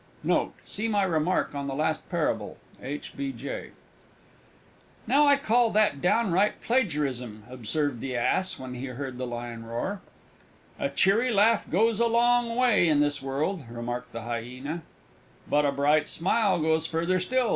Note. See my remark on the last parable. H. B. J. "Now, I call that downright Plagiarism!" observed the Ass, when he heard the Lion roar. "A cheery laugh goes a long way in this world!" remarked the Hyena. "But a bright smile goes further still!"